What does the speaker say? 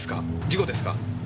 事故ですか？